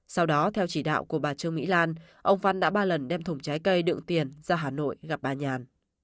sau đó theo chỉ đạo của bà trương mỹ lan ông văn đã ba lần đem thùng trái cây đựng tiền ra hà nội gặp bà nhàn